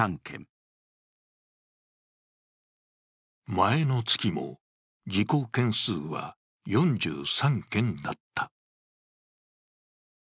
前の月も事故件数は４３件だった。